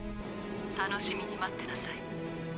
楽しみに待ってなさい。